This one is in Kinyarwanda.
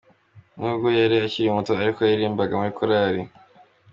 Nubwo yari akiri muto ariko yaririmbaga muri korali.